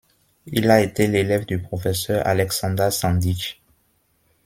Il a été l'élève du professeur Aleksandar Sandić.